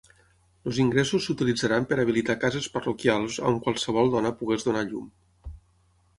Els ingressos s'utilitzaran per habilitar cases parroquials on qualsevol dona pogués donar a llum.